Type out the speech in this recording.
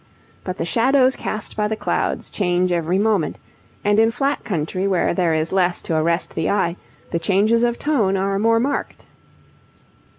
But the shadows cast by the clouds change every moment, and in flat country where there is less to arrest the eye the changes of tone are more marked.